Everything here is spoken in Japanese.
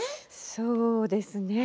そうですね